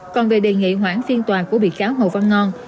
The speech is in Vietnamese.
còn về đề nghị hoãn phiên tòa của bị cáo hồ văn ngon